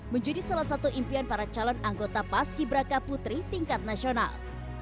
menjadi salah satu impian para calon anggota pas kibra kaputri tingkat nasional